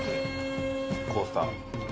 コースター。